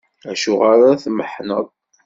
Acuɣer ara tmeḥḥneɣ?